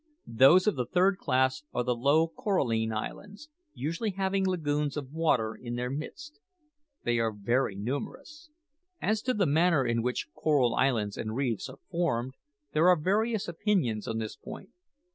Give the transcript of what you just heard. Those of the third class are the low coralline islands, usually having lagoons of water in their midst. They are very numerous. "As to the manner in which coral islands and reefs are formed, there are various opinions on this point.